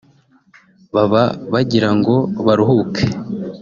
baba bagirango baruhuke